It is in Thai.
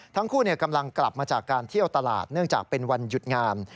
ทั้งคู่กำลังกลับมาจากการเที่ยวตลาดเนื่องจากเป็นวันหยุดงาม